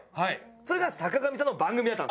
それが坂上さんの番組だった。